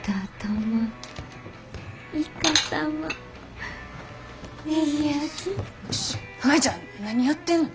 舞ちゃん何やってんの？